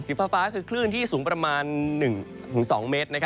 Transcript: ฟ้าคือคลื่นที่สูงประมาณ๑๒เมตร